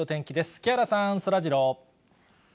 木原さん、そらジロー。